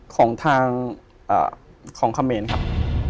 ของทางของเขมรครับ